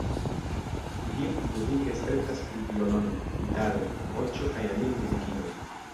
Bird muzike spertas pri violono, gitaro, voĉo kaj aliaj muzikiloj.